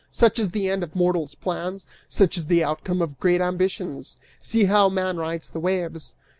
Such is the end of mortal's plans, such is the outcome of great ambitions! See how man rides the waves!"